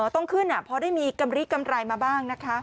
ต้องขึ้นพอได้มีกำริกำไรมาบ้างนะคะ